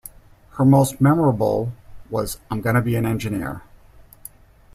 Her most memorable was "I'm Gonna Be an Engineer".